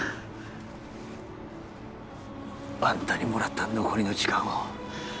あんたにもらった残りの時間を